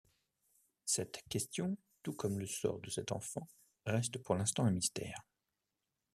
Cette question, tout comme le sort de cette enfant, reste pour l'instant un mystère.